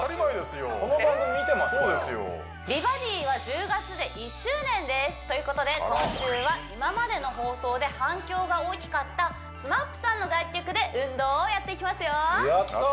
見てますよ「美バディ」は１０月で１周年ですということで今週は今までの放送で反響が大きかったＳＭＡＰさんの楽曲で運動をやっていきますよやった！